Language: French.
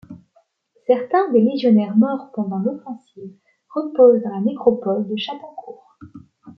Certains des légionnaires morts pendant l’offensive reposent dans la nécropole de Chattancourt.